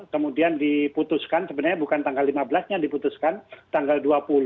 kemudian diputuskan sebenarnya bukan tanggal lima belas nya diputuskan tanggal dua puluh